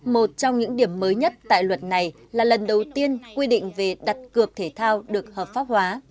một trong những điểm mới nhất tại luật này là lần đầu tiên quy định về đặt cược thể thao được hợp pháp hóa